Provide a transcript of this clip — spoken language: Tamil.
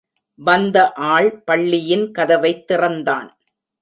வந்த ஆள் பள்ளியின் கதவைத் திறந்தான்.